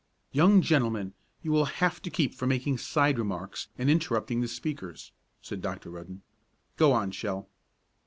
"Young gentlemen, you will have to keep from making side remarks, and interrupting the speakers," said Dr. Rudden. "Go on, Shell."